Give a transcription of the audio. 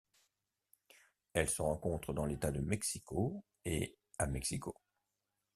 Elle se rencontre dans l'État de Mexico et à Mexico.